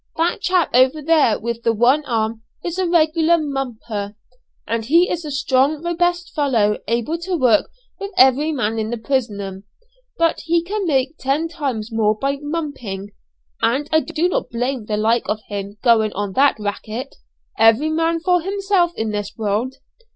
That chap over there with the one arm is a regular 'mumper,' and he is a strong, robust fellow, able to work with any man in the prison; but he can make ten times more by 'mumping,' and I do not blame the like of him going on that 'racket.' Every man for himself in this world.